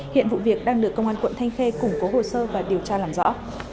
hiện vụ việc đang được công an quận thanh khê củng cố hồ sơ và điều tra làm rõ